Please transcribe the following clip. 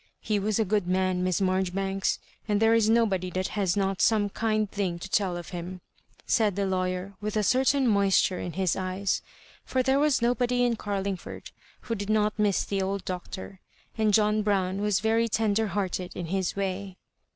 He was a good man, Miss Marjoribanks, and there is nobody that has not some kind thing to tell of him," said the law yer, with a certain moisture in his eyes; for there was nobody in Carlingford who did not miss the old Doctor, and John Brown was very tender hearted in his way.